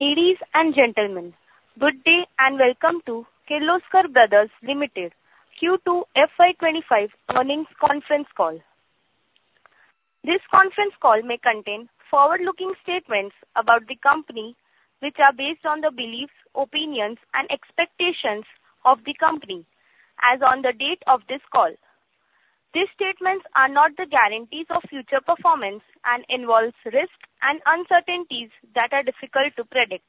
Ladies and gentlemen, good day and welcome to Kirloskar Brothers Limited Q2 FY2025 earnings conference call. This conference call may contain forward-looking statements about the company, which are based on the beliefs, opinions, and expectations of the company, as on the date of this call. These statements are not the guarantees of future performance and involve risks and uncertainties that are difficult to predict.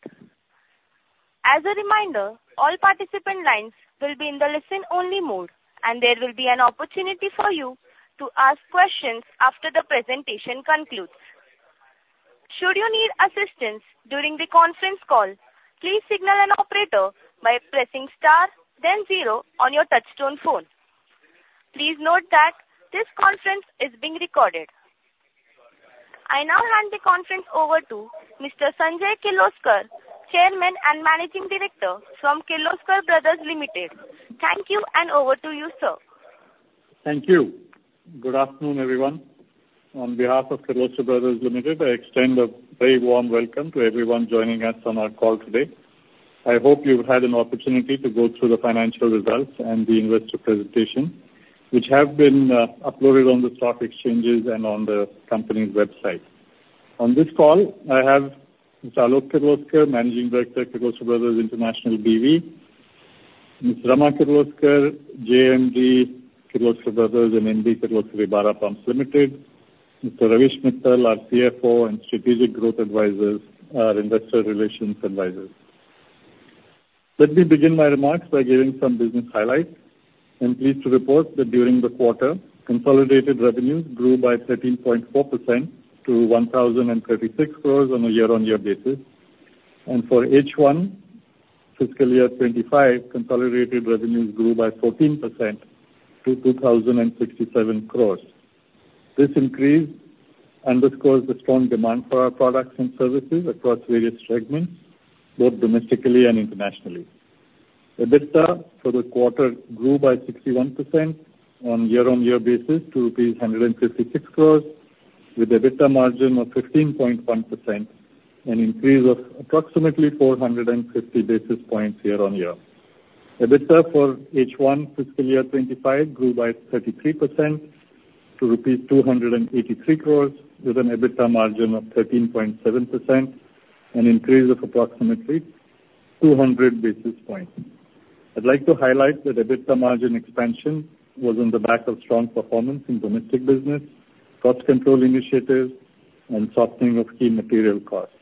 As a reminder, all participant lines will be in the listen-only mode, and there will be an opportunity for you to ask questions after the presentation concludes. Should you need assistance during the conference call, please signal an operator by pressing star, then zero on your touch-tone phone. Please note that this conference is being recorded. I now hand the conference over to Mr. Sanjay Kirloskar, Chairman and Managing Director from Kirloskar Brothers Limited. Thank you, and over to you, sir. Thank you. Good afternoon, everyone. On behalf of Kirloskar Brothers Limited, I extend a very warm welcome to everyone joining us on our call today. I hope you've had an opportunity to go through the financial results and the investor presentation, which have been uploaded on the stock exchanges and on the company's website. On this call, I have Mr. Alok Kirloskar, Managing Director, Kirloskar Brothers International BV; Mr. Rama Kirloskar, JMD, Kirloskar Brothers Limited and Kirloskar Ebara Pumps Limited; Mr. Ravish Mittal, our CFO; and Strategic Growth Advisors, our Investor Relations Advisors. Let me begin my remarks by giving some business highlights. I'm pleased to report that during the quarter, consolidated revenues grew by 13.4% to 1,036 crores on a year-on-year basis, and for H1, fiscal year 2025, consolidated revenues grew by 14% to 2,067 crores. This increase underscores the strong demand for our products and services across various segments, both domestically and internationally. EBITDA for the quarter grew by 61% on a year-on-year basis to rupees 156 crores, with an EBITDA margin of 15.1% and an increase of approximately 450 basis points year-on-year. EBITDA for H1, fiscal year 2025, grew by 33% to rupees 283 crores, with an EBITDA margin of 13.7% and an increase of approximately 200 basis points. I'd like to highlight that EBITDA margin expansion was on the back of strong performance in domestic business, cost control initiatives, and softening of key material costs.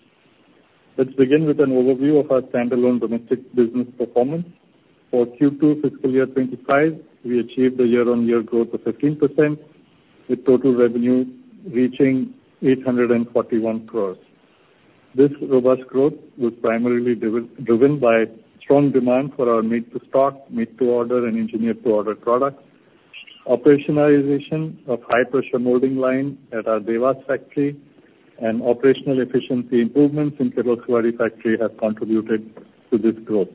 Let's begin with an overview of our standalone domestic business performance. For Q2, fiscal year 2025, we achieved a year-on-year growth of 15%, with total revenue reaching 841 crores. This robust growth was primarily driven by strong demand for our made-to-stock, made-to-order, and engineered-to-order products. Operationalization of high-pressure molding line at our Dewas factory and operational efficiency improvements in Kirloskar factory have contributed to this growth.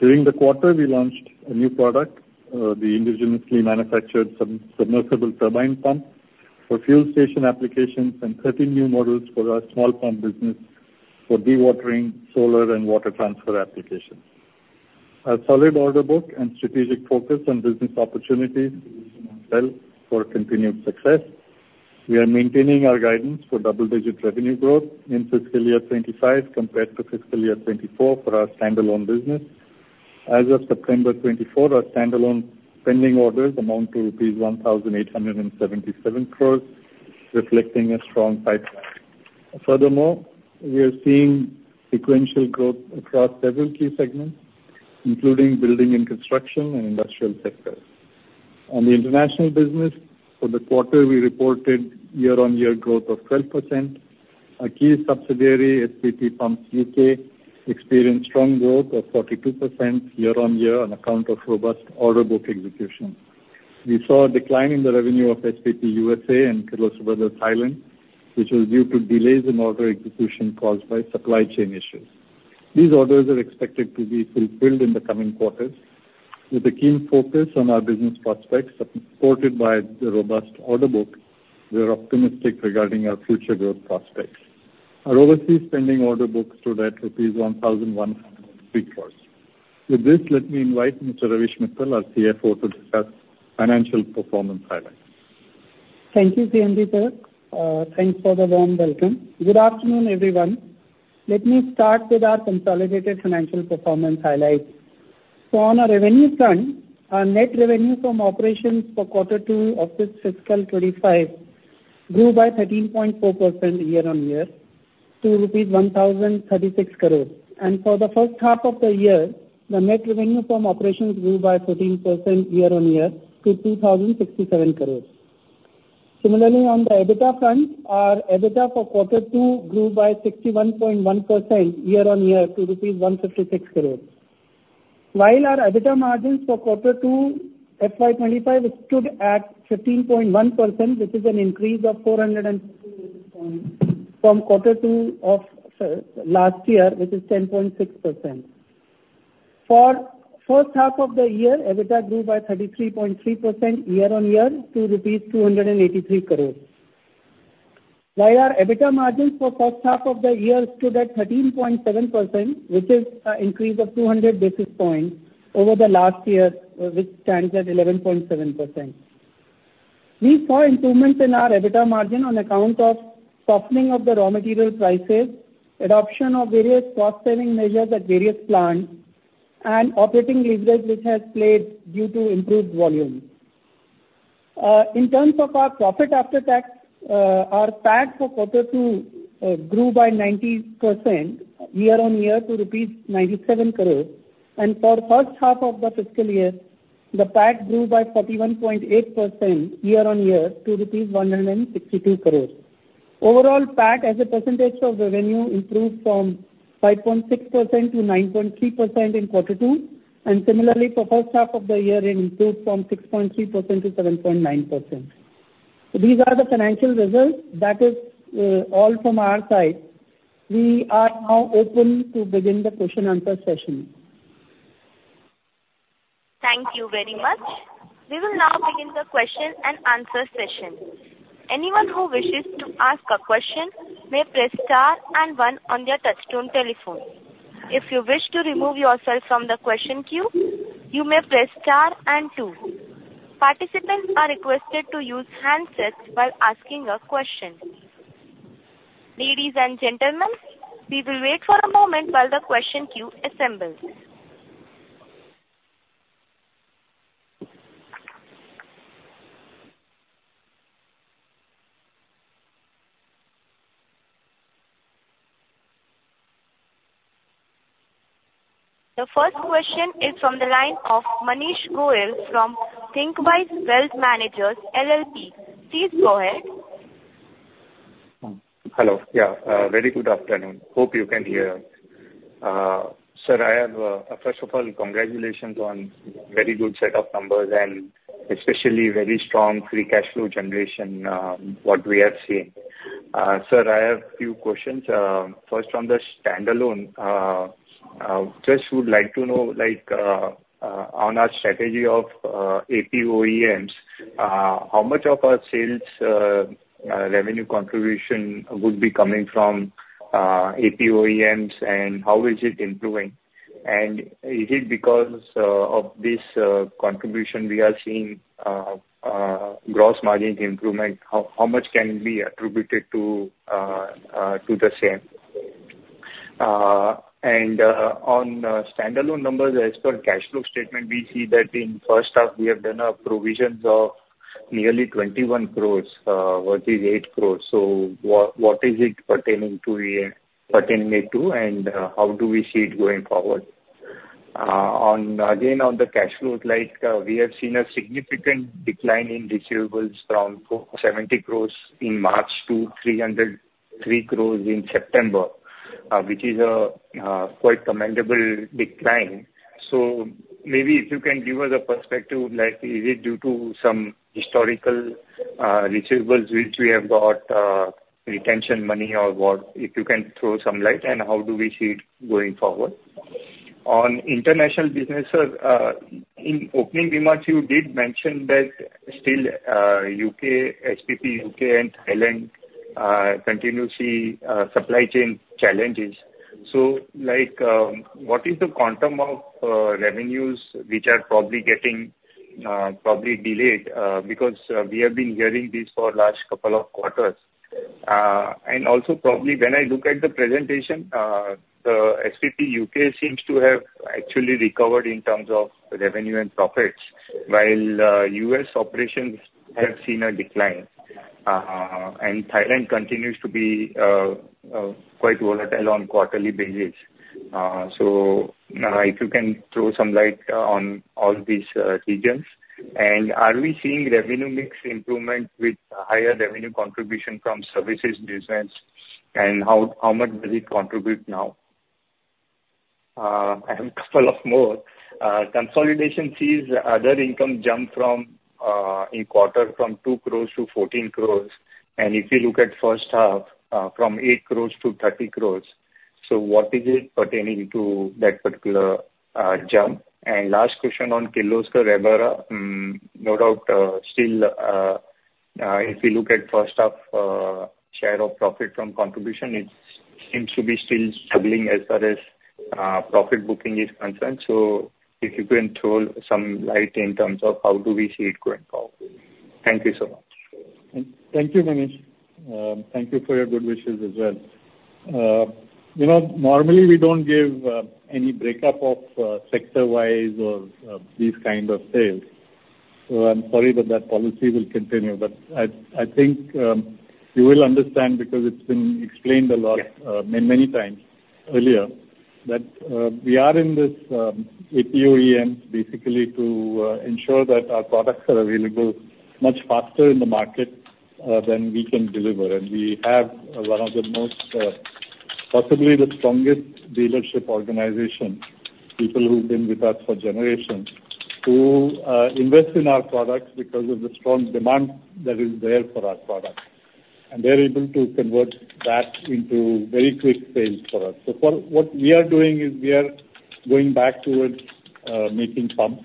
During the quarter, we launched a new product, the indigenously manufactured submersible turbine pump for fuel station applications and 13 new models for our small pump business for dewatering, solar, and water transfer applications. Our solid order book and strategic focus on business opportunities will help for continued success. We are maintaining our guidance for double-digit revenue growth in fiscal year 2025 compared to fiscal year 2024 for our standalone business. As of September 2024, our standalone pending orders amount to rupees 1,877 crores, reflecting a strong pipeline. Furthermore, we are seeing sequential growth across several key segments, including building and construction and industrial sectors. On the international business, for the quarter, we reported year-on-year growth of 12%. Our key subsidiary, SPP Pumps UK, experienced strong growth of 42% year-on-year on account of robust order book execution. We saw a decline in the revenue of SPP USA and Kirloskar Brothers Thailand, which was due to delays in order execution caused by supply chain issues. These orders are expected to be fulfilled in the coming quarters. With a keen focus on our business prospects supported by the robust order book, we are optimistic regarding our future growth prospects. Our overseas standing order book stood at ₹ 1,103 crores. With this, let me invite Mr. Ravish Mittal, our CFO, to discuss financial performance highlights. Thank you, Sir Ravish Mittal. Thanks for the warm welcome. Good afternoon, everyone. Let me start with our consolidated financial performance highlights. So, on our revenue front, our net revenue from operations for quarter two of this fiscal 2025 grew by 13.4% year-on-year to rupees 1,036 crores. And for the first half of the year, the net revenue from operations grew by 14% year-on-year to 2,067 crores. Similarly, on the EBITDA front, our EBITDA for quarter two grew by 61.1% year-on-year to rupees 156 crores. While our EBITDA margins for quarter two FY 2025 stood at 15.1%, which is an increase of 415 points from quarter two of last year, which is 10.6%. For the first half of the year, EBITDA grew by 33.3% year-on-year to rupees 283 crores. While our EBITDA margins for the first half of the year stood at 13.7%, which is an increase of 200 basis points over the last year, which stands at 11.7%. We saw improvements in our EBITDA margin on account of softening of the raw material prices, adoption of various cost-saving measures at various plants, and operating leverage, which has played due to improved volume. In terms of our profit after tax, our PAT for quarter two grew by 90% year-on-year to rupees 97 crores. And for the first half of the fiscal year, the PAT grew by 41.8% year-on-year to rupees 162 crores. Overall, PAT as a percentage of revenue improved from 5.6% to 9.3% in quarter two. And similarly, for the first half of the year, it improved from 6.3% to 7.9%. So these are the financial results. That is all from our side. We are now open to begin the question-and-answer session. Thank you very much. We will now begin the question-and-answer session. Anyone who wishes to ask a question may press star and one on their touch-tone telephone. If you wish to remove yourself from the question queue, you may press star and two. Participants are requested to use handsets while asking a question. Ladies and gentlemen, we will wait for a moment while the question queue assembles. The first question is from the line of Manish Goyal from Thinkwise Wealth Managers, LLP. Please go ahead. Hello. Yeah, very good afternoon. Hope you can hear us. Sir, I have, first of all, congratulations on a very good set of numbers and especially very strong free cash flow generation, what we have seen. Sir, I have a few questions. First, on the standalone, just would like to know, on our strategy of APOEMs, how much of our sales revenue contribution would be coming from APOEMs, and how is it improving? And is it because of this contribution we are seeing gross margin improvement? How much can be attributed to the same? And on standalone numbers, as per cash flow statement, we see that in the first half, we have done a provision of nearly 21 crores, warranty of 8 crores. So what is it pertaining to, and how do we see it going forward? Again, on the cash flows, we have seen a significant decline in receivables from 70 crores in March to 303 crores in September, which is a quite commendable decline. So maybe if you can give us a perspective, is it due to some historical receivables, which we have got retention money or what? If you can throw some light, and how do we see it going forward? On international business, sir, in opening remarks, you did mention that still U.K., SPP U.K., and Thailand continue to see supply chain challenges. So what is the quantum of revenues which are probably getting delayed? Because we have been hearing this for the last couple of quarters. And also, probably when I look at the presentation, the SPP U.K. seems to have actually recovered in terms of revenue and profits, while U.S. operations have seen a decline. Thailand continues to be quite volatile on a quarterly basis. So if you can throw some light on all these regions. Are we seeing revenue mix improvement with higher revenue contribution from services business, and how much does it contribute now? I have a couple more. Consolidated sees other income jump in the quarter from 2 crore to 14 crore. If you look at the first half, from 8 crore to 30 crore. What is it pertaining to, that particular jump? Last question on Kirloskar Ebara. No doubt, still, if you look at the first half share of profit from contribution, it seems to be still struggling as far as profit booking is concerned. If you can throw some light in terms of how we see it going forward. Thank you so much. Thank you, Manish. Thank you for your good wishes as well. Normally, we don't give any breakup of sector-wise or these kinds of sales. So I'm sorry that that policy will continue. But I think you will understand because it's been explained a lot many, many times earlier that we are in this APOEM basically to ensure that our products are available much faster in the market than we can deliver. And we have one of the most, possibly the strongest dealership organization, people who've been with us for generations, who invest in our products because of the strong demand that is there for our products. And they're able to convert that into very quick sales for us. So what we are doing is we are going back towards making pumps.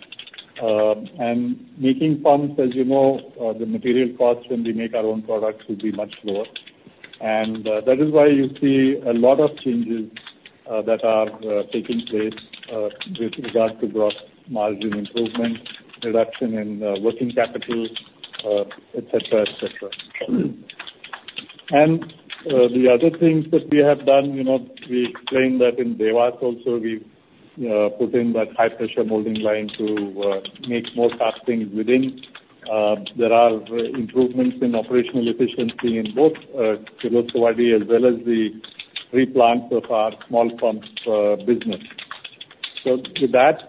And making pumps, as you know, the material costs when we make our own products will be much lower. And that is why you see a lot of changes that are taking place with regard to gross margin improvement, reduction in working capital, etc., etc., and the other things that we have done, we explained that in Dewas also, we put in that high-pressure molding line to make more fast things within. There are improvements in operational efficiency in both Kirloskar Brothers as well as the three plants of our small pump business, so with that,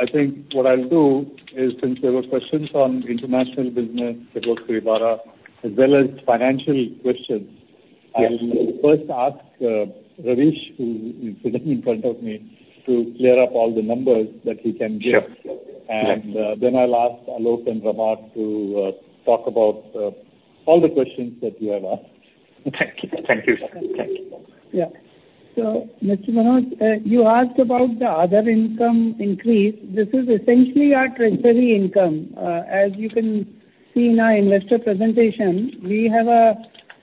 I think what I'll do is, since there were questions on international business, Kirloskar Ebara, as well as financial questions, I will first ask Ravish, who is sitting in front of me, to clear up all the numbers that he can give, and then I'll ask Alok and Rama to talk about all the questions that you have asked. Thank you. Thank you. Yeah. So, Mr. Manoj, you asked about the other income increase. This is essentially our treasury income. As you can see in our investor presentation, we have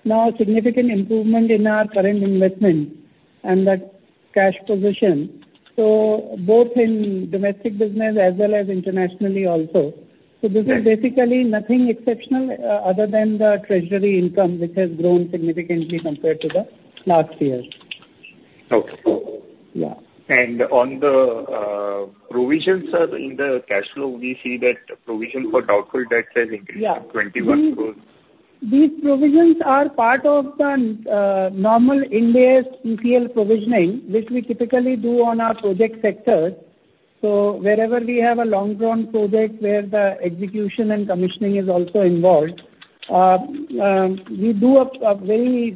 now a significant improvement in our current investment and that cash position. So both in domestic business as well as internationally also. So this is basically nothing exceptional other than the treasury income, which has grown significantly compared to the last year. Okay. Yeah. And on the provisions, sir, in the cash flow, we see that provision for doubtful debts has increased to 21 crores. These provisions are part of the normal in-depth ECL provisioning, which we typically do on our project sectors. So wherever we have a long-drawn project where the execution and commissioning is also involved, we do a very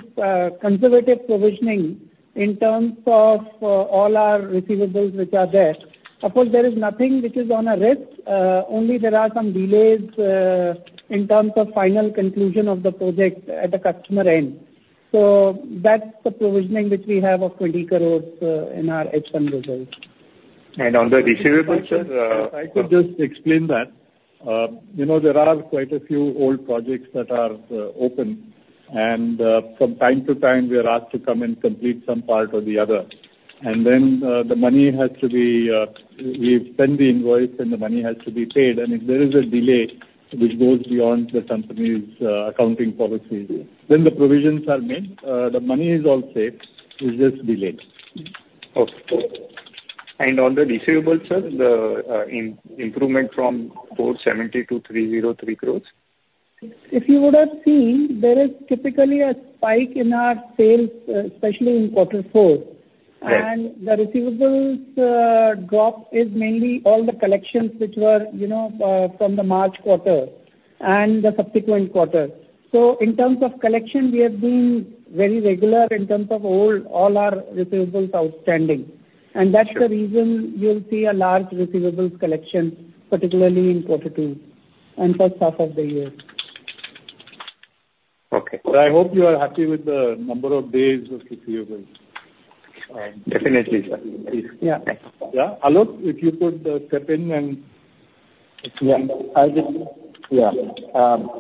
conservative provisioning in terms of all our receivables which are there. Of course, there is nothing which is at risk. Only there are some delays in terms of final conclusion of the project at the customer end. So that's the provisioning which we have of 20 crores in our H1 results. On the receivables, sir? I could just explain that. There are quite a few old projects that are open. And from time to time, we are asked to come and complete some part or the other. And then the money has to be. We send the invoice, and the money has to be paid. And if there is a delay which goes beyond the company's accounting policy, then the provisions are made. The money is all safe. It's just delayed. Okay. And on the receivables, sir, the improvement from 470 to 303 crores? If you would have seen, there is typically a spike in our sales, especially in quarter four. The receivables drop is mainly all the collections which were from the March quarter and the subsequent quarter. In terms of collection, we have been very regular in terms of all our receivables outstanding. That's the reason you'll see a large receivables collection, particularly in quarter two and first half of the year. Okay, so I hope you are happy with the number of days of receivables. Definitely, sir. Yeah. Yeah. Alok, if you could step in and. Yeah. Yeah.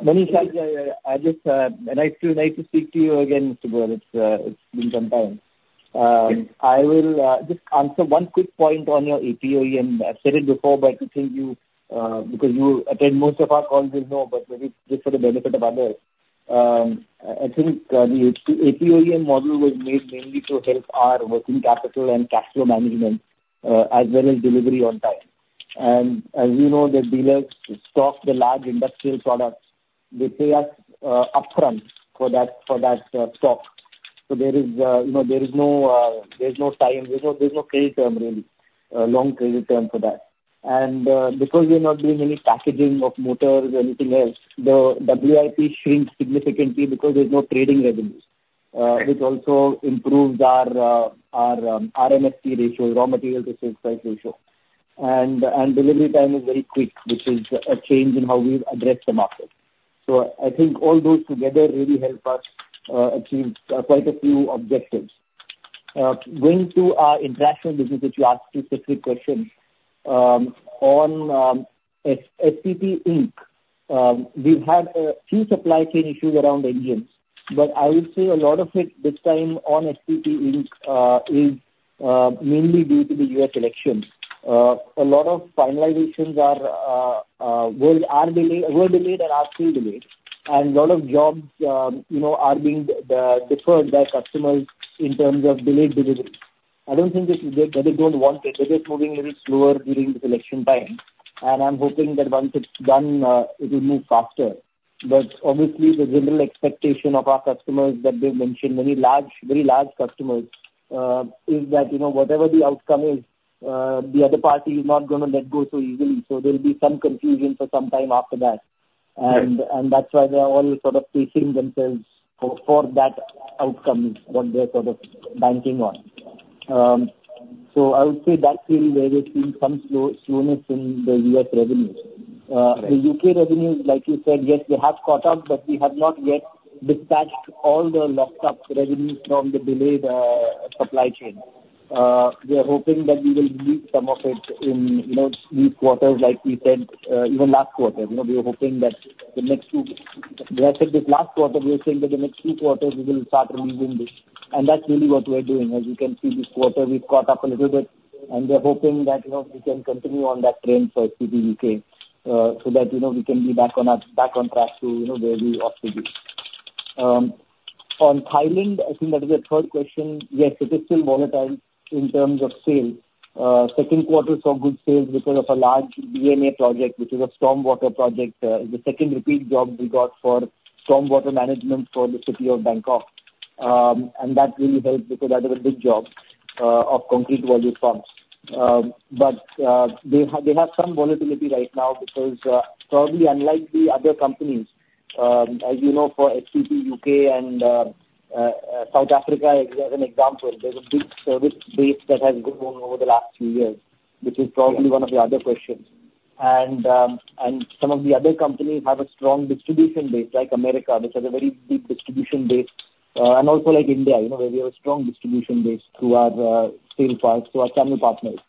Manish, I just and I still like to speak to you again, Mr. Goyal. It's been some time. I will just answer one quick point on your APOEM. I've said it before, but I think you because you attend most of our calls, you'll know, but maybe just for the benefit of others, I think the APOEM model was made mainly to help our working capital and cash flow management as well as delivery on time. And as you know, the dealers stock the large industrial products. They pay us upfront for that stock. So there is no time there's no credit term, really, long credit term for that. And because we're not doing any packaging of motors or anything else, the WIP shrinks significantly because there's no trading revenue, which also improves our RMSP ratio, raw material to sales price ratio. And delivery time is very quick, which is a change in how we address the market. So I think all those together really help us achieve quite a few objectives. Going to our international business, which you asked two specific questions. On SPP Inc., we've had a few supply chain issues around engines. But I would say a lot of it this time on SPP Inc. is mainly due to the U.S. elections. A lot of finalizations were delayed and are still delayed. And a lot of jobs are being deferred by customers in terms of delayed delivery. I don't think it's that they don't want it. They're just moving a little slower during the selection time. And I'm hoping that once it's done, it will move faster. But obviously, the general expectation of our customers that they've mentioned, many large customers, is that whatever the outcome is, the other party is not going to let go so easily. So there'll be some confusion for some time after that. And that's why they're all sort of pacing themselves for that outcome, what they're sort of banking on. So I would say that's really where we've seen some slowness in the U.S. revenues. The U.K. revenues, like you said, yes, they have caught up, but we have not yet dispatched all the locked-up revenues from the delayed supply chain. We are hoping that we will release some of it in these quarters, like we said, even last quarter. When I said this last quarter, we were saying that the next two quarters, we will start releasing this. That's really what we're doing. As you can see, this quarter, we've caught up a little bit. We're hoping that we can continue on that train for SPP UK so that we can be back on track to where we ought to be. On Thailand, I think that is the third question. Yes, it is still volatile in terms of sales. Second quarter saw good sales because of a large BMA project, which is a stormwater project. It's the second repeat job we got for stormwater management for the city of Bangkok. That really helped because that was a big job of concrete volute pumps. But they have some volatility right now because probably unlike the other companies, as you know, for SPP UK and South Africa, as an example, there's a big service base that has grown over the last few years, which is probably one of the other questions, and some of the other companies have a strong distribution base like America, which has a very big distribution base, and also like India, where we have a strong distribution base through our sales partners, through our channel partners.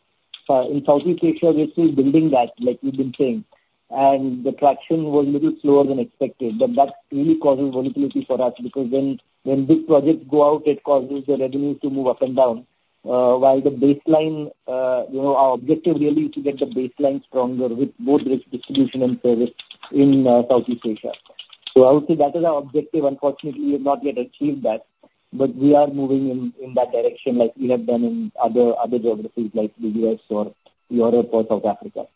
In Southeast Asia, we're still building that, like we've been saying, and the traction was a little slower than expected, but that really causes volatility for us because when big projects go out, it causes the revenues to move up and down. While the baseline, our objective really is to get the baseline stronger with both distribution and service in Southeast Asia. So I would say that is our objective. Unfortunately, we have not yet achieved that. But we are moving in that direction like we have done in other geographies like the U.S. or Europe or South Africa.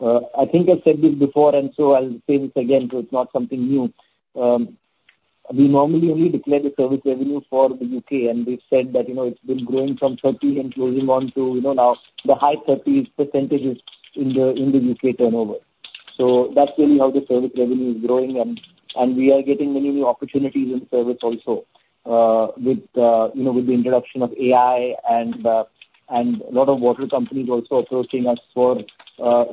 I think I've said this before, and so I'll say this again so it's not something new. We normally only declare the service revenue for the U.K. And we've said that it's been growing from 30% and closing on to now the high 30% is in the U.K. turnover. So that's really how the service revenue is growing. And we are getting many new opportunities in service also with the introduction of AI and a lot of water companies also approaching us for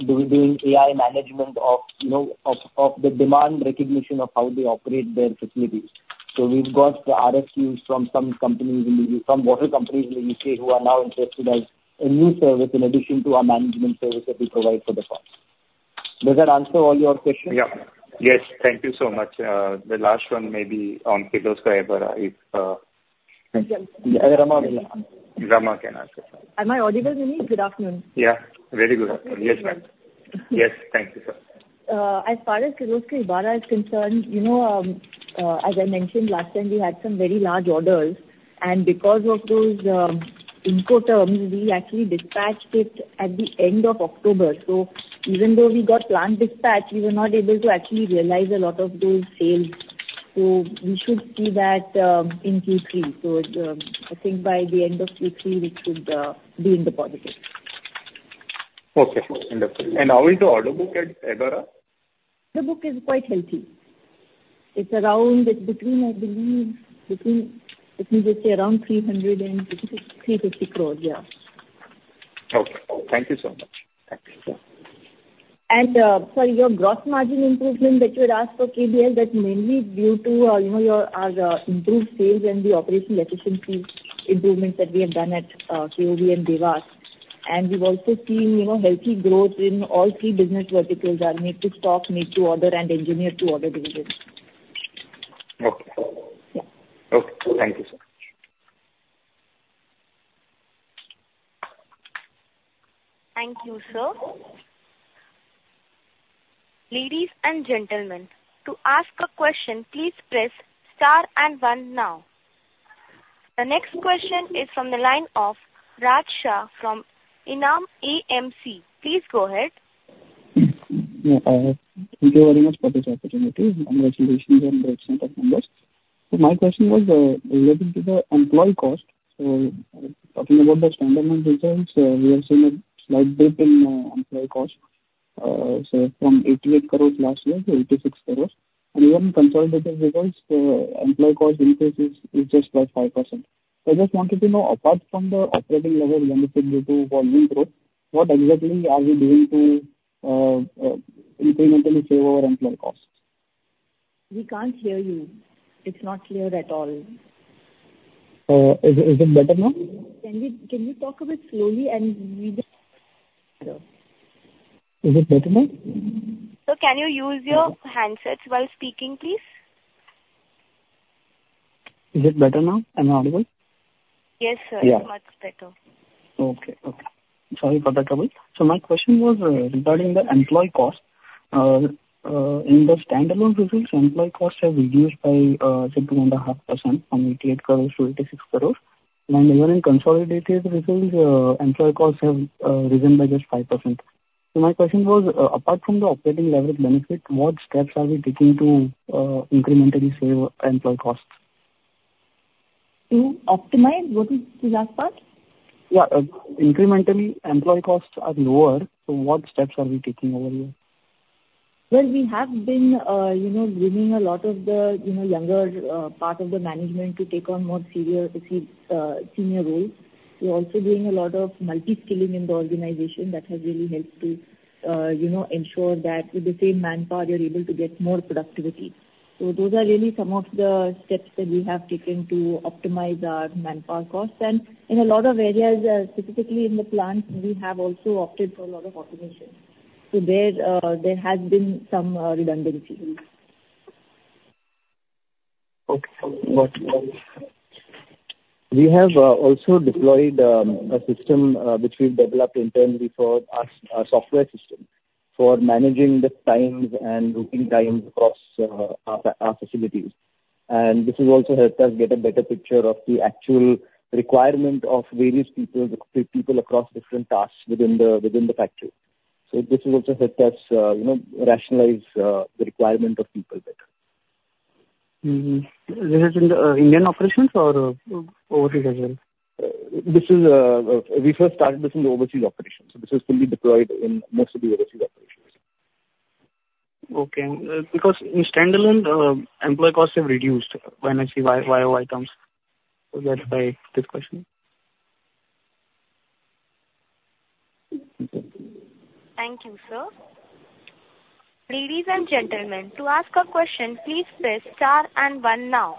doing AI management of the demand recognition of how they operate their facilities. So we've got the RFQs from some companies in the U.K., from water companies in the U.K. who are now interested in a new service in addition to our management service that we provide for the pumps. Does that answer all your questions? Yeah. Yes. Thank you so much. The last one may be on Kirloskar Ebara. Thank you. Kirloskar can answer. Am I audible, Manish? Good afternoon. Yeah. Very good. Yes, ma'am. Yes. Thank you, sir. As far as Kirloskar Ebara is concerned, as I mentioned last time, we had some very large orders, and because of those invoice terms, we actually dispatched it at the end of October, so even though we got planned dispatch, we were not able to actually realize a lot of those sales, so I think by the end of Q3, we should be in the positive. Okay, and how is the order book at Ebara? The order book is quite healthy. It's around, I believe, let me just say, around 350 crores. Yeah. Okay. Thank you so much. Thank you. And sorry, your gross margin improvement that you had asked for KBL, that's mainly due to our improved sales and the operational efficiency improvements that we have done at Kirloskarvadi and Dewas. And we've also seen healthy growth in all three business verticals: our need-to-stock, need-to-order, and engineered-to-order divisions. Okay. Yeah. Okay. Thank you so much. Thank you, sir. Ladies and gentlemen, to ask a question, please press star and one now. The next question is from the line of Raj Shah from Enam AMC. Please go ahead. Yeah. Thank you very much for this opportunity. Congratulations on the excellent numbers. So my question was relating to the employee cost. So talking about the standalone results, we have seen a slight dip in employee cost. So from INR 88 crores last year to INR 86 crores. And even consolidated results, the employee cost increase is just like 5%. I just wanted to know, apart from the operating level benefit due to volume growth, what exactly are we doing to incrementally save our employee costs? We can't hear you. It's not clear at all. Is it better now? Can you talk a bit slowly? Is it better now? So can you use your handsets while speaking, please? Is it better now? Am I audible? Yes, sir. It's much better. Okay. Okay. Sorry for the trouble. So my question was regarding the employee cost. In the standalone results, employee costs have reduced by, I said, 2.5% from 88 crores to 86 crores. And even in consolidated results, employee costs have risen by just 5%. So my question was, apart from the operating leverage benefit, what steps are we taking to incrementally save employee costs? To optimize? What was the last part? Yeah. Incrementally, employee costs are lower. So what steps are we taking over here? We have been bringing a lot of the younger part of the management to take on more senior roles. We're also doing a lot of multi-skilling in the organization. That has really helped to ensure that with the same manpower, you're able to get more productivity. Those are really some of the steps that we have taken to optimize our manpower costs. In a lot of areas, specifically in the plants, we have also opted for a lot of automation. There has been some redundancy. Okay. Got it. We have also deployed a system which we've developed internally for our software system for managing the times and routing times across our facilities, and this has also helped us get a better picture of the actual requirement of various people across different tasks within the factory, so this has also helped us rationalize the requirement of people better. This is in the Indian operations or overseas as well? This is where we first started this in the overseas operations. This has fully deployed in most of the overseas operations. Okay. Because in standalone, employee costs have reduced when I see YoY terms. Was that this question? Thank you, sir. Ladies and gentlemen, to ask a question, please press star and one now.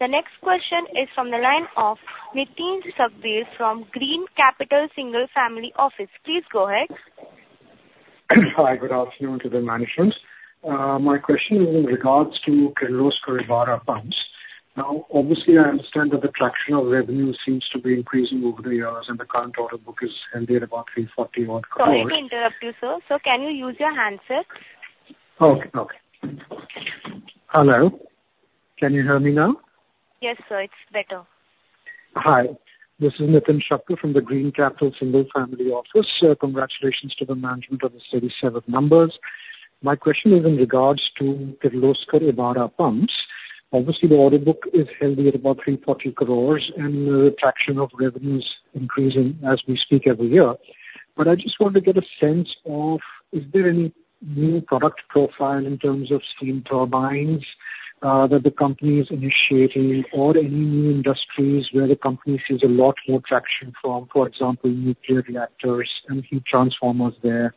The next question is from the line of Nitin Saboo from Green Capital Single Family Office. Please go ahead. Hi. Good afternoon to the management. My question is in regards to Kirloskar Ebara pumps. Now, obviously, I understand that the traction of revenue seems to be increasing over the years, and the current order book is hinting at about 340 crores. Sorry to interrupt you, sir. So can you use your handset? Okay. Okay. Hello. Can you hear me now? Yes, sir. It's better. Hi. This is Nitin Saboo from the Green Capital Single Family Office. Congratulations to the management on the Q3 numbers. My question is in regards to Kirloskar Ebara Pumps. Obviously, the order book is healthy at about 340 crores, and the traction of revenue is increasing as we speak every year. But I just want to get a sense of, is there any new product profile in terms of steam turbines that the company is initiating, or any new industries where the company sees a lot more traction from, for example, nuclear reactors and heat transformers there,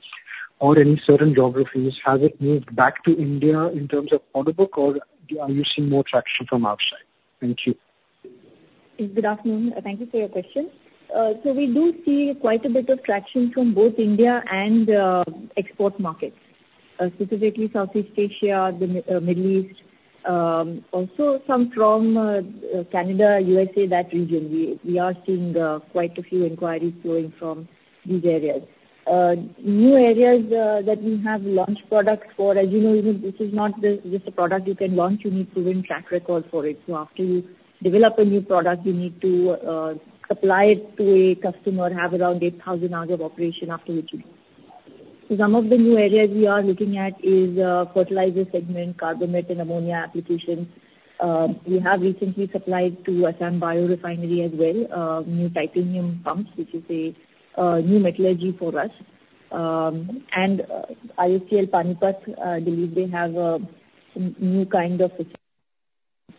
or any certain geographies? Has it moved back to India in terms of order book, or are you seeing more traction from outside? Thank you. Good afternoon. Thank you for your question. So we do see quite a bit of traction from both India and export markets, specifically Southeast Asia, the Middle East, also some from Canada, USA, that region. We are seeing quite a few inquiries flowing from these areas. New areas that we have launched products for, as you know, this is not just a product you can launch. You need proven track record for it. So after you develop a new product, you need to supply it to a customer, have around 8,000 hours of operation after which you launch. So some of the new areas we are looking at are the fertilizer segment, carbamid and ammonia applications. We have recently supplied to Assam Bio Refinery as well new titanium pumps, which is a new metallurgy for us. IOCL Panipat, I believe they have a new kind of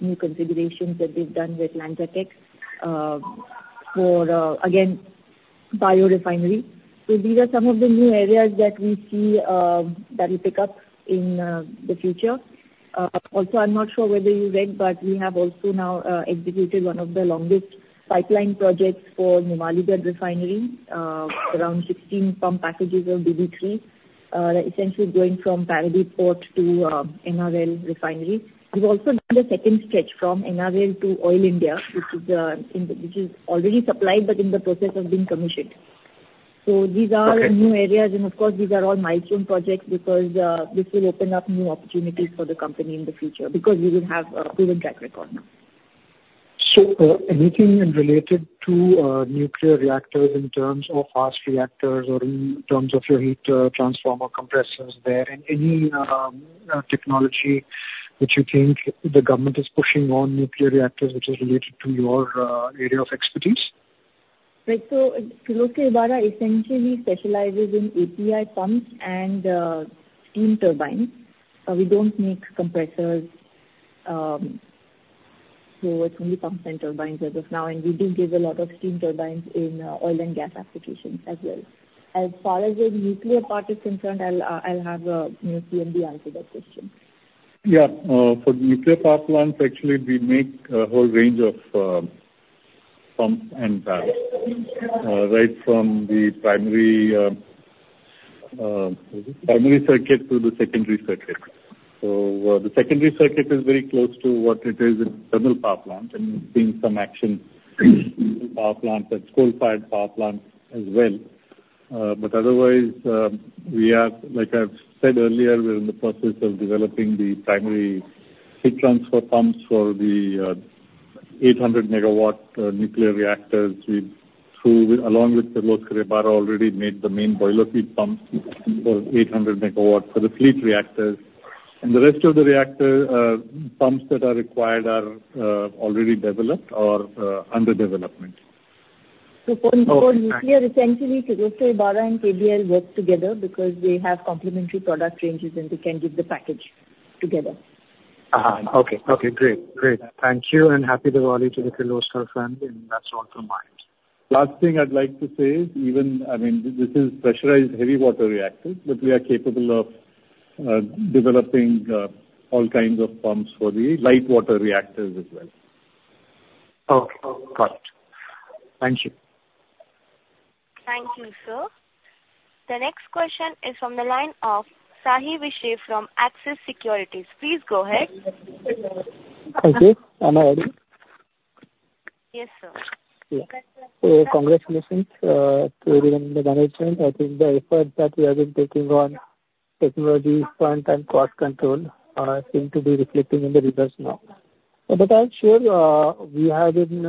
new configurations that they've done with LanzaTech for, again, bio refinery. These are some of the new areas that we see that will pick up in the future. Also, I'm not sure whether you read, but we have also now executed one of the longest pipeline projects for Numaligarh Refinery, around 16 pump packages of BB3, essentially going from Paradip Port to NRL Refinery. We've also done a second stretch from NRL to Oil India, which is already supplied but in the process of being commissioned. These are new areas. And of course, these are all milestone projects because this will open up new opportunities for the company in the future because we will have a proven track record now. So anything related to nuclear reactors in terms of fast reactors or in terms of your heat transformer compressors there? And any technology which you think the government is pushing on nuclear reactors which is related to your area of expertise? Right. So Kirloskar Ebara essentially specializes in API pumps and steam turbines. We don't make compressors. So it's only pumps and turbines as of now. And we do give a lot of steam turbines in oil and gas applications as well. As far as the nuclear part is concerned, I'll have CMD answer that question. Yeah. For the nuclear power plants, actually, we make a whole range of pumps and valves, right from the primary circuit to the secondary circuit. So the secondary circuit is very close to what it is in the thermal power plant and seeing some action in power plants, that's coal-fired power plants as well. But otherwise, like I've said earlier, we're in the process of developing the primary heat transfer pumps for the 800-megawatt nuclear reactors. We've, along with Kirloskar Ebara, already made the main boiler feed pumps for 800-megawatt for the PHWR reactors. And the rest of the reactor pumps that are required are already developed or under development. So for nuclear, essentially, Kirloskar Ebara and KBL work together because they have complementary product ranges, and they can give the package together. Okay. Great. Thank you. And happy Diwali to the Kirloskar friends. And that's all from my end. Last thing I'd like to say is, I mean, this is Pressurized Heavy Water Reactors, but we are capable of developing all kinds of pumps for the Light Water Reactors as well. Okay. Got it. Thank you. Thank you, sir. The next question is from the line of Sahil Sanghvi from Axis Securities. Please go ahead. Thank you. Am I audible? Yes, sir. Yeah. So congratulations to everyone in the management. I think the effort that we have been taking on technology front and cost control seems to be reflecting in the results now. But I'm sure we have been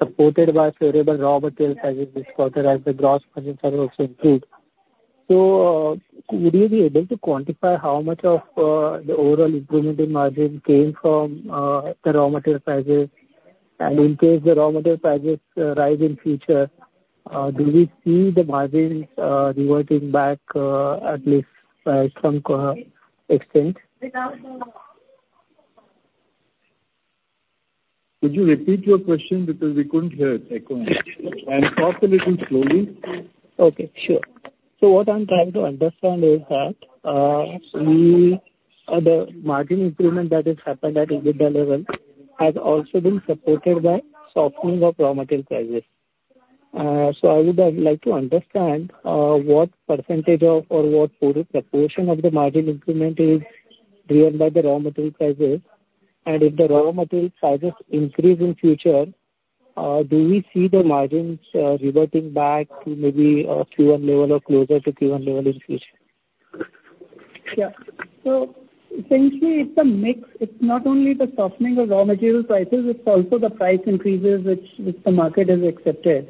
supported by favorable raw material prices this quarter as the gross margins have also improved. So would you be able to quantify how much of the overall improvement in margin came from the raw material prices? And in case the raw material prices rise in future, do we see the margins reverting back at least by some extent? Could you repeat your question because we couldn't hear it? I couldn't. I'm talking a little slowly. Okay. Sure. So what I'm trying to understand is that the margin improvement that has happened at a good level has also been supported by softening of raw material prices. So I would like to understand what percentage or what proportion of the margin improvement is driven by the raw material prices. And if the raw material prices increase in future, do we see the margins reverting back to maybe a lower level or closer to lower level in future? Yeah. So essentially, it's a mix. It's not only the softening of raw material prices. It's also the price increases which the market has accepted.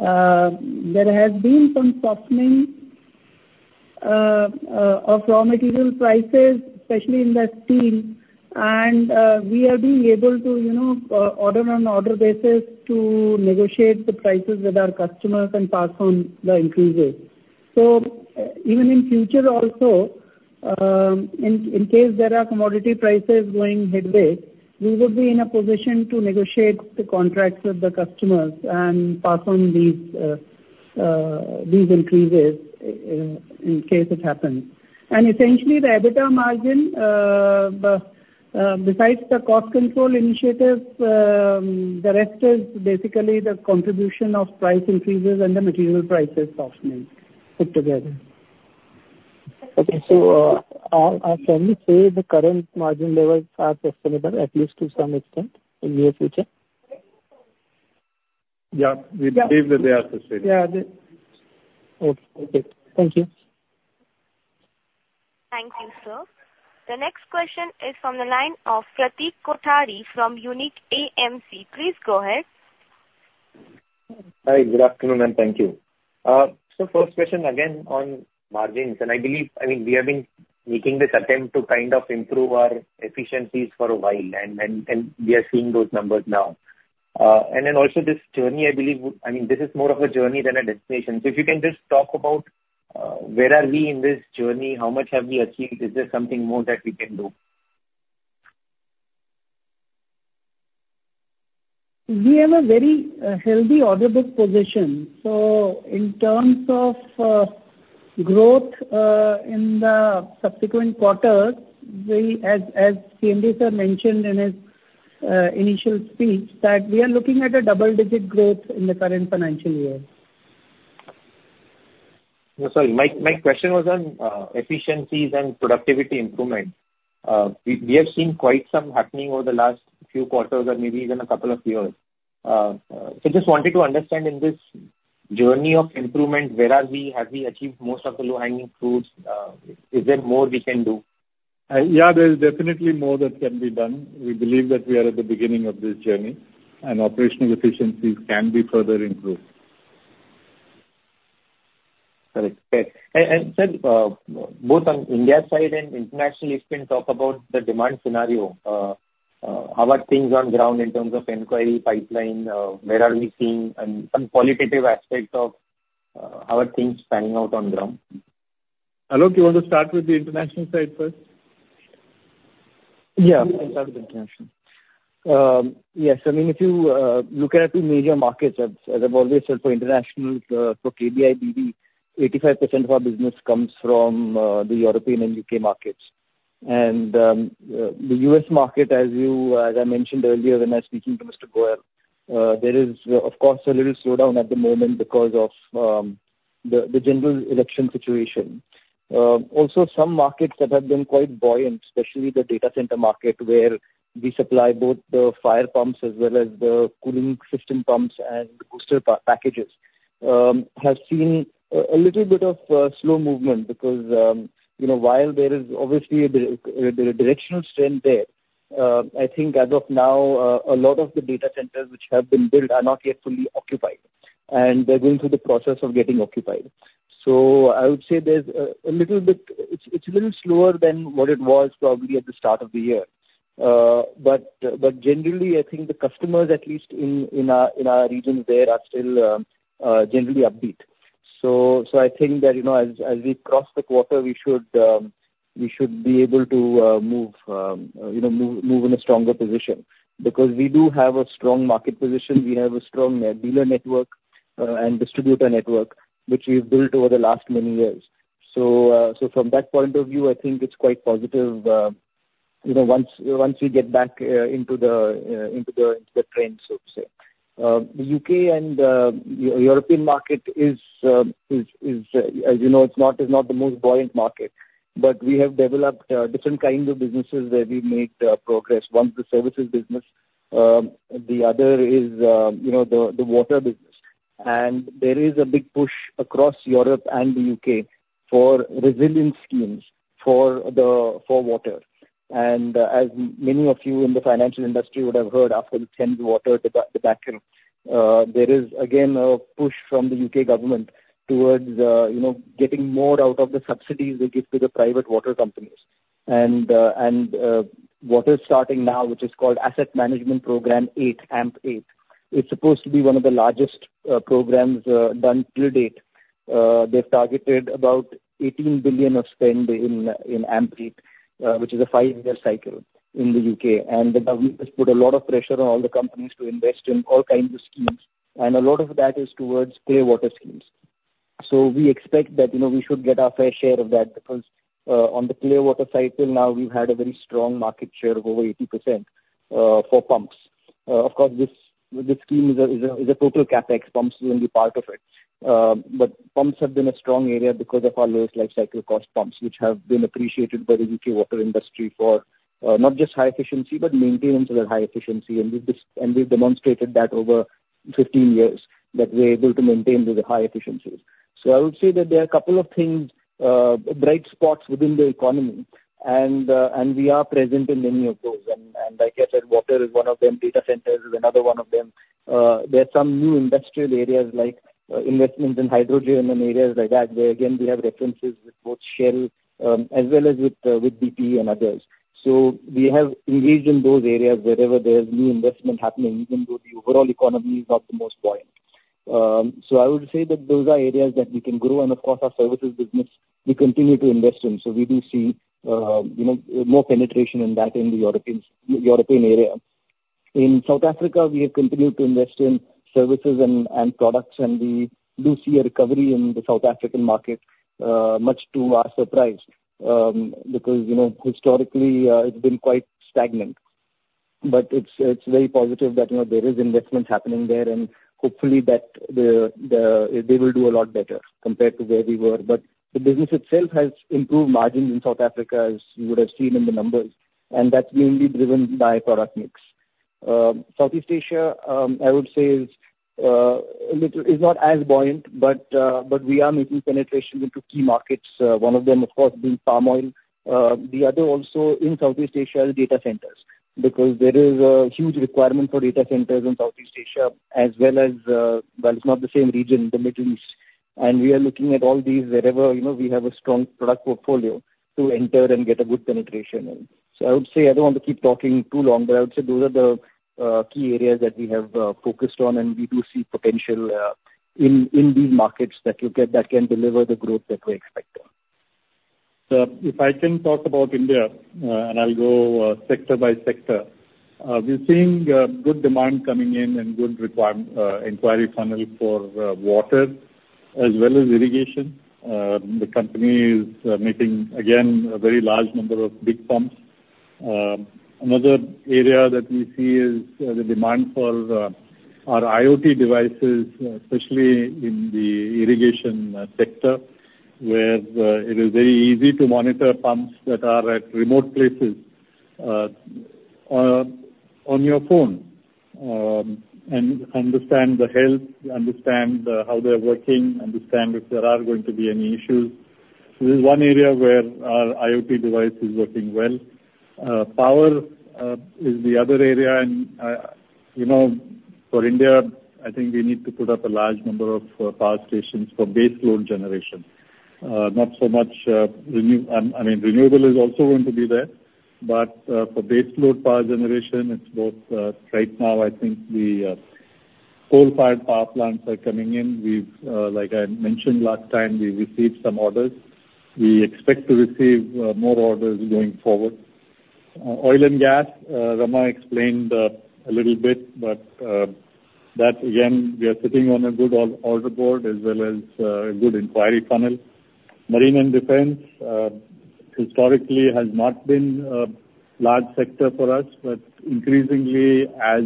There has been some softening of raw material prices, especially in the steel, and we are being able to order on an order basis to negotiate the prices with our customers and pass on the increases. So even in future also, in case there are commodity prices going haywire, we would be in a position to negotiate the contracts with the customers and pass on these increases in case it happens, and essentially, the EBITDA margin, besides the cost control initiative, the rest is basically the contribution of price increases and the material prices softening put together. Okay, so I'll firmly say the current margin levels are sustainable at least to some extent in the near future? Yeah. We believe that they are sustainable. Yeah. Okay. Okay. Thank you. Thank you, sir. The next question is from the line of Prateek Kothari from Unique AMC. Please go ahead. Hi. Good afternoon, and thank you. So first question, again, on margins. And I believe, I mean, we have been making this attempt to kind of improve our efficiencies for a while, and we are seeing those numbers now. And then also this journey, I believe, I mean, this is more of a journey than a destination. So if you can just talk about where are we in this journey, how much have we achieved, is there something more that we can do? We have a very healthy order book position. So in terms of growth in the subsequent quarters, as PMD sir mentioned in his initial speech, that we are looking at a double-digit growth in the current financial year. Sorry. My question was on efficiencies and productivity improvement. We have seen quite some happening over the last few quarters or maybe even a couple of years. So just wanted to understand in this journey of improvement, where are we? Have we achieved most of the low-hanging fruits? Is there more we can do? Yeah. There is definitely more that can be done. We believe that we are at the beginning of this journey, and operational efficiencies can be further improved. Correct. Okay. And sir, both on India side and internationally, if you can talk about the demand scenario, how are things on ground in terms of inquiry pipeline? Where are we seeing some qualitative aspects of how are things panning out on ground? Hello? Do you want to start with the international side first? Yeah. We can start with the international. Yes. I mean, if you look at our two major markets, as I've always said, for international, for KBI BV, 85% of our business comes from the European and U.K. markets. And the U.S. market, as I mentioned earlier when I was speaking to Mr. Goel, there is, of course, a little slowdown at the moment because of the general election situation. Also, some markets that have been quite buoyant, especially the data center market, where we supply both the fire pumps as well as the cooling system pumps and booster packages, have seen a little bit of slow movement because while there is obviously a directional strength there, I think as of now, a lot of the data centers which have been built are not yet fully occupied, and they're going through the process of getting occupied. So I would say there's a little bit. It's a little slower than what it was probably at the start of the year. But generally, I think the customers, at least in our region there, are still generally upbeat. So I think that as we cross the quarter, we should be able to move in a stronger position because we do have a strong market position. We have a strong dealer network and distributor network which we've built over the last many years. So from that point of view, I think it's quite positive once we get back into the trend, so to say. The U.K. and European market is, as you know. It's not the most buoyant market, but we have developed different kinds of businesses where we've made progress. One's the services business. The other is the water business. There is a big push across Europe and the U.K. for resilient schemes for water. As many of you in the financial industry would have heard, after the Thames Water debacle, there is, again, a push from the U.K. government towards getting more out of the subsidies they give to the private water companies. What is starting now, which is called Asset Management Program 8, AMP 8. It's supposed to be one of the largest programs done to date. They've targeted about 18 billion of spend in AMP 8, which is a five-year cycle in the U.K. The government has put a lot of pressure on all the companies to invest in all kinds of schemes. A lot of that is towards clear water schemes. So we expect that we should get our fair share of that because on the clear water cycle now, we've had a very strong market share of over 80% for pumps. Of course, this scheme is a total CapEx. Pumps will be part of it. But pumps have been a strong area because of our lowest life cycle cost pumps, which have been appreciated by the U.K. water industry for not just high efficiency, but maintenance of that high efficiency. And we've demonstrated that over 15 years that we're able to maintain those high efficiencies. So I would say that there are a couple of things, bright spots within the economy, and we are present in many of those. And like I said, water is one of them. Data centers is another one of them. There are some new industrial areas like investments in hydrogen and areas like that where, again, we have references with both Shell as well as with BP and others, so we have engaged in those areas wherever there's new investment happening, even though the overall economy is not the most buoyant, so I would say that those are areas that we can grow, and of course, our services business, we continue to invest in, so we do see more penetration in that in the European area. In South Africa, we have continued to invest in services and products, and we do see a recovery in the South African market, much to our surprise, because historically, it's been quite stagnant, but it's very positive that there is investment happening there, and hopefully that they will do a lot better compared to where we were. But the business itself has improved margins in South Africa, as you would have seen in the numbers. And that's mainly driven by product mix. Southeast Asia, I would say, is not as buoyant, but we are making penetration into key markets, one of them, of course, being palm oil. The other also in Southeast Asia is data centers because there is a huge requirement for data centers in Southeast Asia as well as, well, it's not the same region in the Middle East. And we are looking at all these wherever we have a strong product portfolio to enter and get a good penetration in. So I would say I don't want to keep talking too long, but I would say those are the key areas that we have focused on, and we do see potential in these markets that can deliver the growth that we're expecting. So if I can talk about India, and I'll go sector by sector, we're seeing good demand coming in and good inquiry funnel for water as well as irrigation. The company is making, again, a very large number of big pumps. Another area that we see is the demand for our IoT devices, especially in the irrigation sector, where it is very easy to monitor pumps that are at remote places on your phone and understand the health, understand how they're working, understand if there are going to be any issues. This is one area where our IoT device is working well. Power is the other area. And for India, I think we need to put up a large number of power stations for base load generation, not so much renew. I mean, renewable is also going to be there, but for base load power generation, it's both. Right now, I think the coal-fired power plants are coming in. Like I mentioned last time, we've received some orders. We expect to receive more orders going forward. Oil and gas, Rama explained a little bit, but that, again, we are sitting on a good order board as well as a good inquiry funnel. Marine and defense historically has not been a large sector for us, but increasingly, as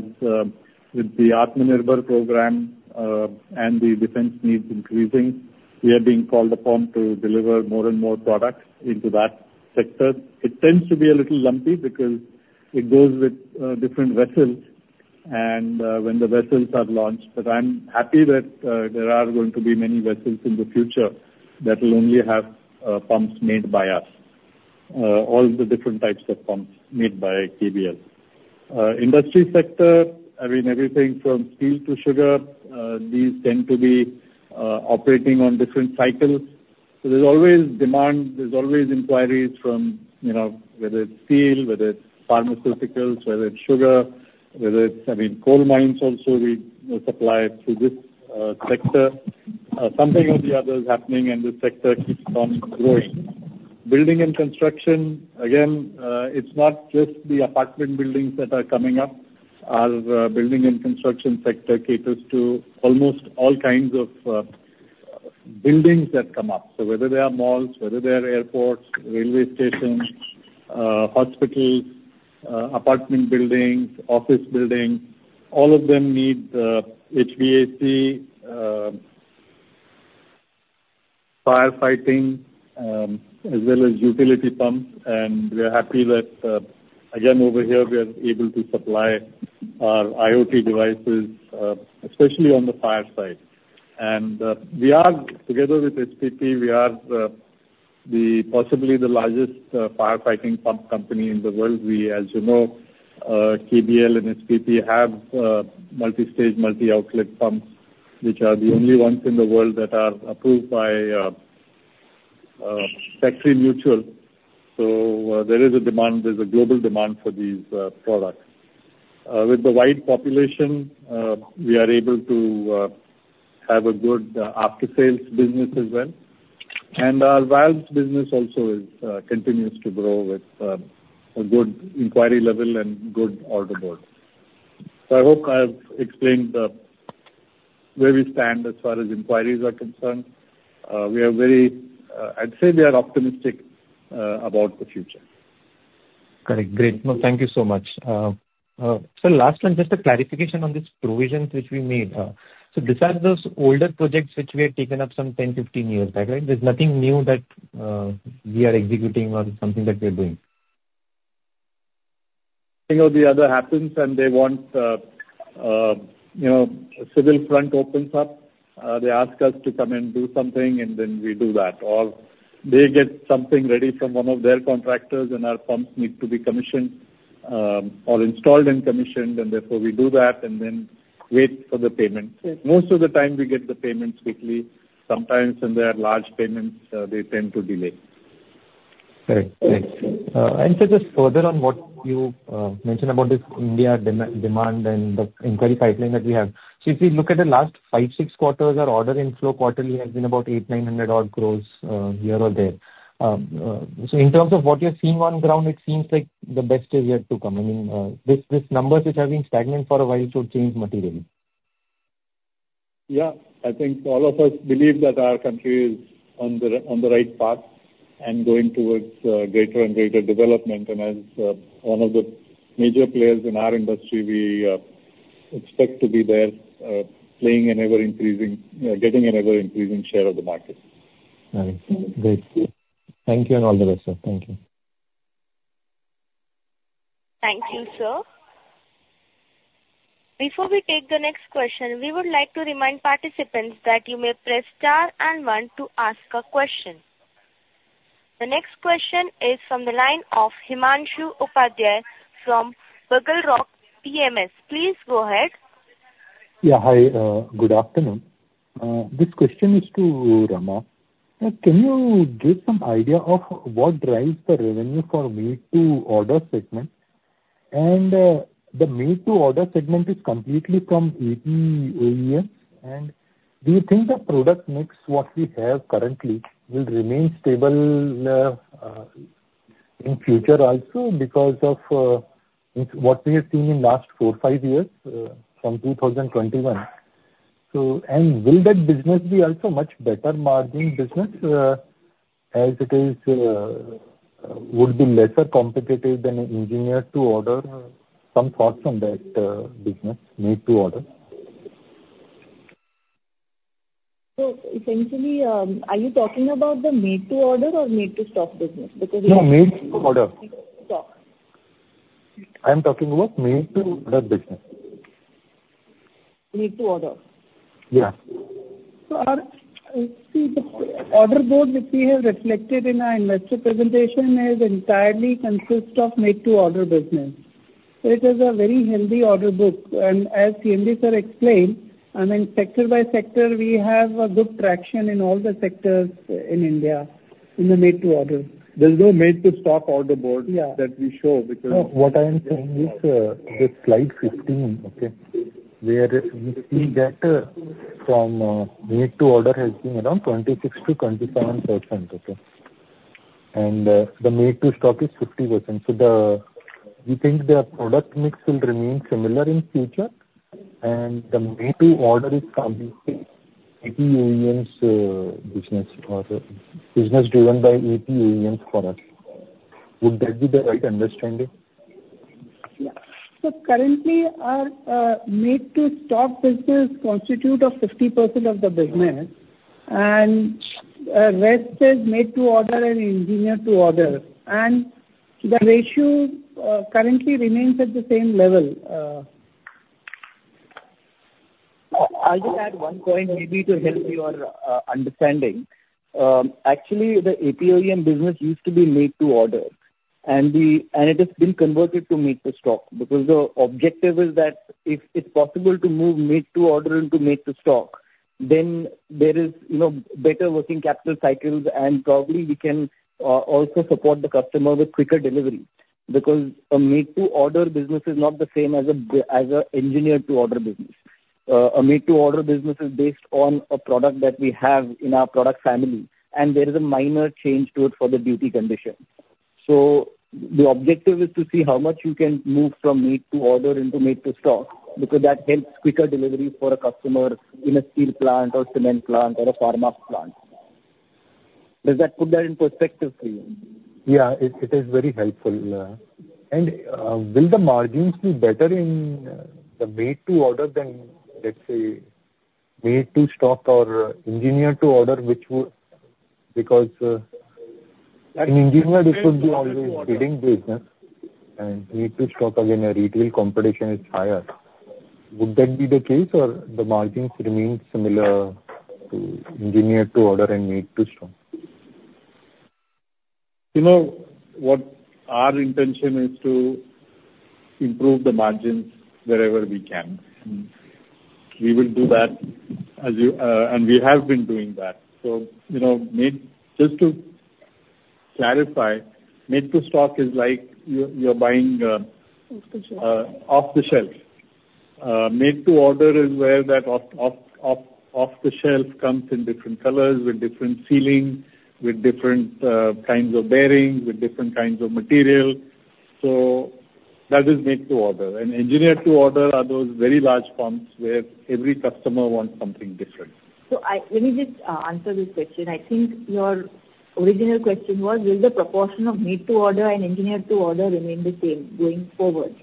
with the Atmanirbhar program and the defense needs increasing, we are being called upon to deliver more and more products into that sector. It tends to be a little lumpy because it goes with different vessels, and when the vessels are launched. But I'm happy that there are going to be many vessels in the future that will only have pumps made by us, all the different types of pumps made by KBL. Industry sector, I mean, everything from steel to sugar, these tend to be operating on different cycles. So there's always demand. There's always inquiries from whether it's steel, whether it's pharmaceuticals, whether it's sugar, whether it's, I mean, coal mines also. We supply through this sector. Something or the other is happening, and the sector keeps on growing. Building and construction, again, it's not just the apartment buildings that are coming up. Our building and construction sector caters to almost all kinds of buildings that come up. So whether they are malls, whether they are airports, railway stations, hospitals, apartment buildings, office buildings, all of them need HVAC, firefighting, as well as utility pumps. And we are happy that, again, over here, we are able to supply our IoT devices, especially on the fire side. And together with HPP, we are possibly the largest firefighting pump company in the world. We, as you know, KBL and HPP have multi-stage, multi-outlet pumps, which are the only ones in the world that are approved by Factory Mutual. So there is a demand. There's a global demand for these products. With the wide population, we are able to have a good after-sales business as well. And our valves business also continues to grow with a good inquiry level and good order board. So I hope I've explained where we stand as far as inquiries are concerned. We are very, I'd say we are optimistic about the future. Got it. Great. No, thank you so much. Sir, last one, just a clarification on these provisions which we made. So these are those older projects which we had taken up some 10, 15 years back, right? There's nothing new that we are executing on something that we are doing. I think all the other happens until the civil front opens up. They ask us to come and do something, and then we do that, or they get something ready from one of their contractors, and our pumps need to be commissioned or installed and commissioned, and therefore we do that and then wait for the payment. Most of the time, we get the payments quickly. Sometimes when there are large payments, they tend to delay. Great. Thanks, and sir, just further on what you mentioned about this India demand and the inquiry pipeline that we have, so if we look at the last five, six quarters, our order inflow quarterly has been about 8,900-odd gross year-on-year, so in terms of what you're seeing on ground, it seems like the best is yet to come. I mean, these numbers which have been stagnant for a while should change materially. Yeah. I think all of us believe that our country is on the right path and going towards greater and greater development, and as one of the major players in our industry, we expect to be there playing an ever-increasing, getting an ever-increasing share of the market. Got it. Great. Thank you and all the best, sir. Thank you. Thank you, sir. Before we take the next question, we would like to remind participants that you may press star and one to ask a question. The next question is from the line of Himanshu Upadhyay from Bugle Rock PMS. Please go ahead. Yeah. Hi. Good afternoon. This question is to Rama. Can you give some idea of what drives the revenue for made-to-order segment? And the made-to-order segment is completely from EP OEMs. And do you think the product mix, what we have currently, will remain stable in future also because of what we have seen in the last four, five years from 2021? And will that business be also much better margin business as it would be lesser competitive than engineered-to-order? Some thoughts on that business, made-to-order. So essentially, are you talking about the made-to-order or made-to-stock business? No, made to order. Made-to-stock. I'm talking about made-to-order business. Made to order. Yeah. So the order book which we have reflected in our investor presentation entirely consists of made-to-order business. It is a very healthy order book. And as CMD sir explained, I mean, sector by sector, we have good traction in all the sectors in India in the made-to-order. There's no made-to-stock order book that we show because. What I am saying is this slide 15, okay, where we see that from made-to-order has been around 26%-27%, okay? And the made-to-stock is 50%. So do you think the product mix will remain similar in future? And the made-to-order is coming to APOEMs' business or business driven by APOEMs for us. Would that be the right understanding? Yeah, so currently, our made-to-stock business constitutes 50% of the business, and the rest is made-to-order and engineered-to-order, and the ratio currently remains at the same level. I just add one point maybe to help your understanding. Actually, the APOEM business used to be made to order, and it has been converted to made to stock because the objective is that if it's possible to move made to order into made to stock, then there is better working capital cycles, and probably we can also support the customer with quicker delivery because a made to order business is not the same as an engineered to order business. A made to order business is based on a product that we have in our product family, and there is a minor change to it for the duty condition. So the objective is to see how much you can move from made to order into made to stock because that helps quicker delivery for a customer in a steel plant or cement plant or a pharma plant. Does that put that in perspective for you? Yeah. It is very helpful. And will the margins be better in the made-to-order than, let's say, made-to-stock or engineered-to-order? Because in engineered-to-order, it would be always bidding business, and made-to-stock, again, retail competition is higher. Would that be the case, or the margins remain similar to engineered-to-order and made-to-stock? You know what our intention is to improve the margins wherever we can. We will do that, and we have been doing that. So just to clarify, made to stock is like you're buying off the shelf. Made to order is where that off the shelf comes in different colors with different sealing, with different kinds of bearings, with different kinds of material. So that is made to order. And engineered to order are those very large pumps where every customer wants something different. So let me just answer this question. I think your original question was, will the proportion of made-to-order and engineered-to-order remain the same going forward?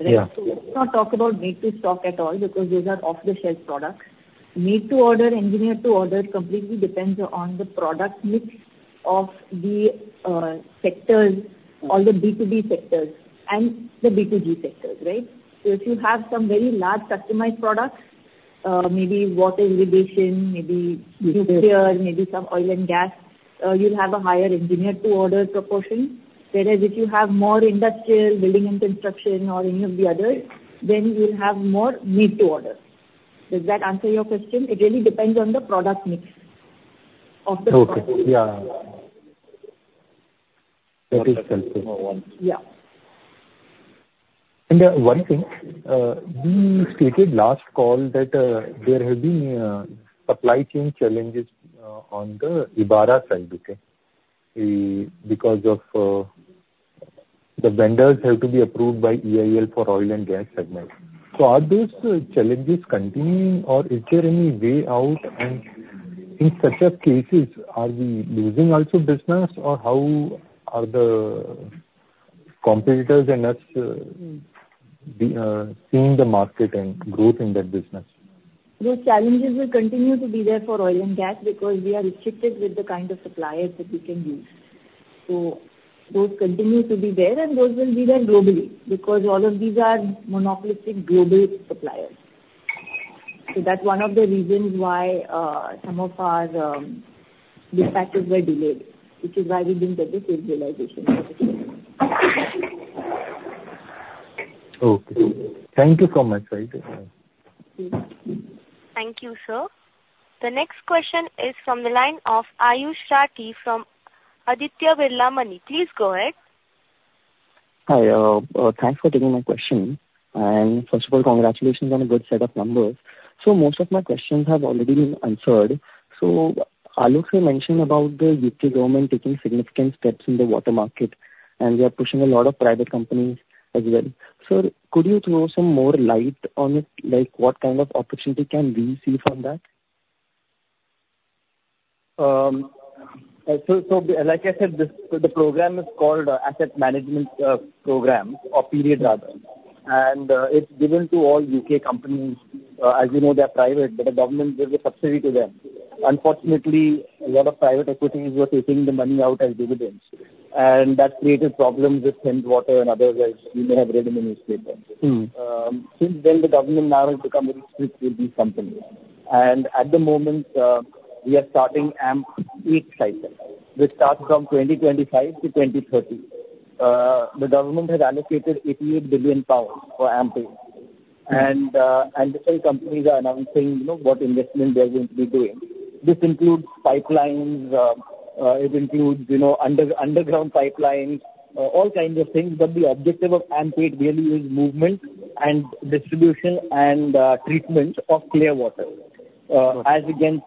Let's not talk about made-to-stock at all because those are off the shelf products. Made-to-order, engineered-to-order completely depends on the product mix of the sectors, all the B2B sectors and the B2G sectors, right? So if you have some very large customized products, maybe water irrigation, maybe nuclear, maybe some oil and gas, you'll have a higher engineered-to-order proportion. Whereas if you have more industrial, building and construction, or any of the others, then you'll have more made-to-order. Does that answer your question? It really depends on the product mix of the products. Okay. Yeah. That is helpful. Yeah. And one thing, we stated last call that there have been supply chain challenges on the Ebara side, okay, because the vendors have to be approved by EIL for oil and gas segment. So are those challenges continuing, or is there any way out? And in such cases, are we losing also business, or how are the competitors and us seeing the market and growth in that business? Those challenges will continue to be there for oil and gas because we are restricted with the kind of suppliers that we can use. So those continue to be there, and those will be there globally because all of these are monopolistic global suppliers. So that's one of the reasons why some of our dispatches were delayed, which is why we didn't get the stabilization. Okay. Thank you so much, right? Thank you, sir. The next question is from the line of Ayush Khetan from Aditya Birla Money. Please go ahead. Hi. Thanks for taking my question. And first of all, congratulations on a good set of numbers. So most of my questions have already been answered. So Alok mentioned about the U.K. government taking significant steps in the water market, and they are pushing a lot of private companies as well. Sir, could you throw some more light on it? What kind of opportunity can we see from that? Like I said, the program is called Asset Management Plan 8, or AMP8, and it's given to all U.K. companies. As you know, they are private, but the government gives a subsidy to them. Unfortunately, a lot of private equities were taking the money out as dividends, and that created problems with Thames Water and others as you may have read in the newspaper. Since then, the government now has become very strict with these companies. At the moment, we are starting AMP8 cycle, which starts from 2025 to 2030. The government has allocated 88 billion pounds for AMP8. Different companies are announcing what investment they're going to be doing. This includes pipelines. It includes underground pipelines, all kinds of things. The objective of AMP8 really is movement and distribution and treatment of clear water as against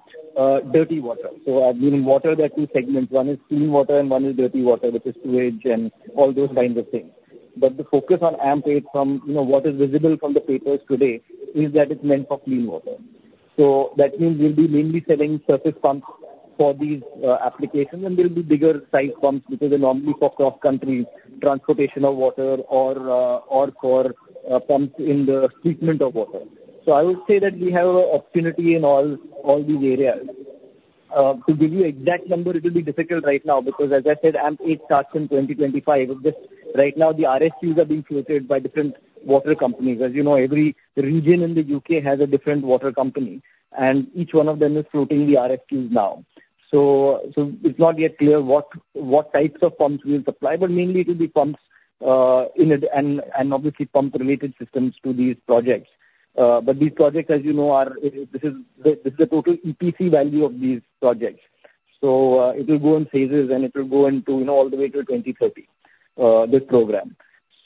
dirty water. I mean, water there are two segments. One is clean water and one is dirty water, which is sewage and all those kinds of things. But the focus on AMP8 from what is visible from the papers today is that it's meant for clean water. So that means we'll be mainly selling surface pumps for these applications, and there will be bigger size pumps because they normally for cross-country transportation of water or for pumps in the treatment of water. So I would say that we have an opportunity in all these areas. To give you an exact number, it will be difficult right now because, as I said, AMP8 starts in 2025. Right now, the RSQs are being floated by different water companies. As you know, every region in the UK has a different water company, and each one of them is floating the RSQs now. So it's not yet clear what types of pumps we'll supply, but mainly it will be pumps and obviously pump-related systems to these projects. But these projects, as you know, this is the total EPC value of these projects. So it will go in phases, and it will go into all the way to 2030, this program.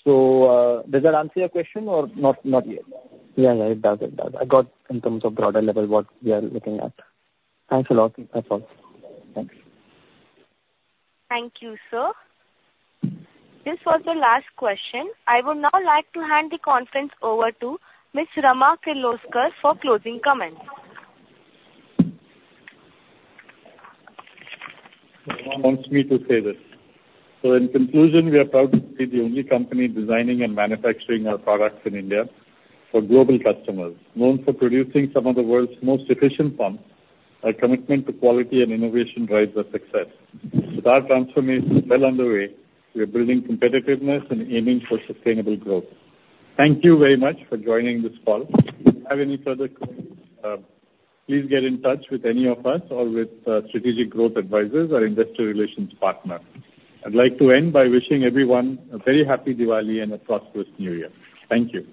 So does that answer your question or not yet? Yeah, yeah. It does. It does. I got in terms of broader level what we are looking at. Thanks a lot. That's all. Thanks. Thank you, sir. This was the last question. I would now like to hand the conference over to Ms. Rama Kirloskar for closing comments. Who wants me to say this? So in conclusion, we are proud to be the only company designing and manufacturing our products in India for global customers. Known for producing some of the world's most efficient pumps, our commitment to quality and innovation drives our success. With our transformation well underway, we are building competitiveness and aiming for sustainable growth. Thank you very much for joining this call. If you have any further questions, please get in touch with any of us or with Strategic Growth Advisors or investor relations partners. I'd like to end by wishing everyone a very happy Diwali and a prosperous New Year. Thank you.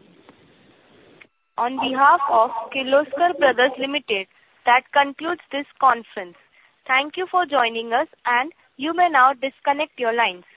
On behalf of Kirloskar Brothers Limited, that concludes this conference. Thank you for joining us, and you may now disconnect your lines.